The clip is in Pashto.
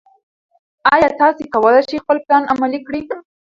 ایا ته کولی شې خپل پلان عملي کړې؟